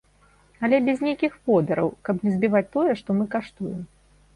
Але без нейкіх водараў, каб не збіваць тое, што мы каштуем.